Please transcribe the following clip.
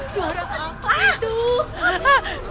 suara apaan itu